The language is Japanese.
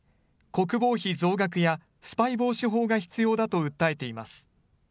国防費増額やスパイ防止法が必要だと訴えています。